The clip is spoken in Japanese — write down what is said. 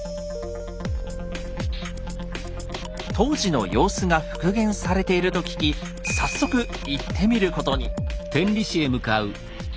当時の様子が復元されていると聞き早速行ってみることに。